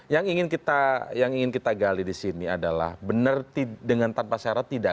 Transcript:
yang ingin kita gali di sini adalah benar dengan tanpa syarat tidak